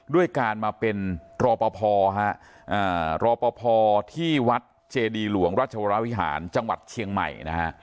ด้วยการมาเป็นรอปภฮะรอปภที่วัดเจดีหลวงราชวรวิหารจังหวัดเชียงใหม่นะฮะ